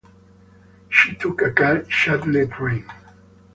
She took a car shuttle train.